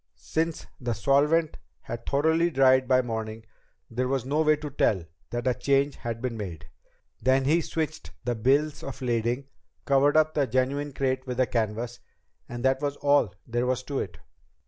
Since the solvent had thoroughly dried by morning, there was no way to tell that a change had been made. Then he switched the bills of lading, covered up the genuine crate with the canvas and that was all there was to it.